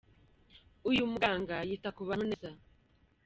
Uyu muganga yita ku bantu neza.